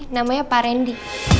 namanya pak randy